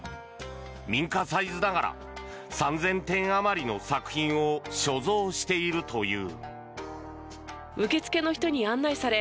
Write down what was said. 民家サイズながら３０００点あまりの作品を所蔵しているという。